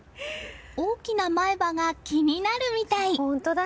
大きな前歯が気になるみたい。